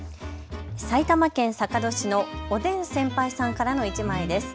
埼玉県坂戸市のおでん先輩さんからの１枚です。